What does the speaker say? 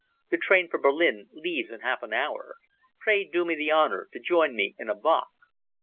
The train for Berlin leaves in half an hour. Pray do me the honour to join me in a bock."